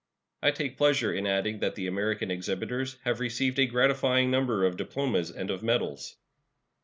I take pleasure in adding that the American exhibitors have received a gratifying number of diplomas and of medals.